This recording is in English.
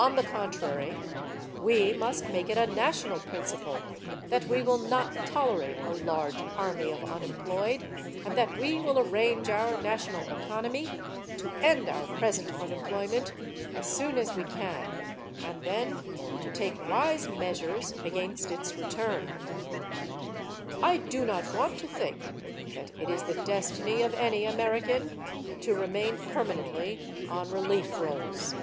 On the contrary, we must make it a national principle that we will not tolerate a large army of unemployed and that we will arrange our national economy to end our present unemployment as soon as we can and then to take wise measures against its return. I do not want to think that it is the destiny of any American to remain permanently on relief rolls.